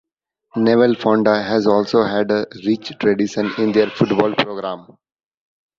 Newell-Fonda has also had a rich tradition in their football program.